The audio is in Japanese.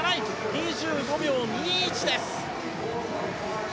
２５秒２１です。